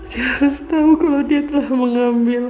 dia harus tahu kalau dia telah mengambil